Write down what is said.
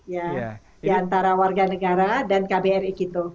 ya antara warga negara dan kbri